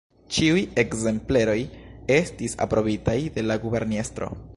Ĉiuj ekzempleroj estis aprobitaj de la guberniestro.